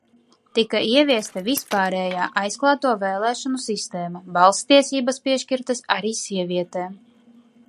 Tika ieviesta vispārējā, aizklāto vēlēšanu sistēma, balss tiesības piešķirtas arī sievietēm.